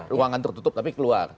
ruangan tertutup tapi keluar